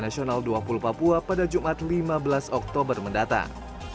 nasional dua puluh papua pada jumat lima belas oktober mendatang